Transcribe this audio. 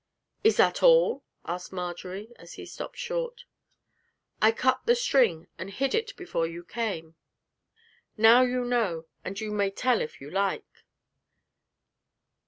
'Is that all?' asked Marjory, as he stopped short. 'I cut the string and hid it before you came. Now you know, and you may tell if you like!'